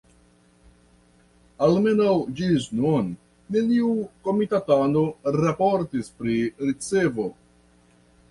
Almenaŭ ĝis nun neniu komitatano raportis pri ricevo.